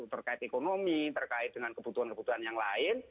terkait ekonomi terkait dengan kebutuhan kebutuhan yang lain